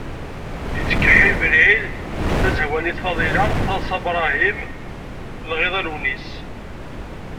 Yettkeḥḥil Belɛid, Tazehwanit Faḍila, Taḍsa Brahim, Lɣiḍa Lewnis.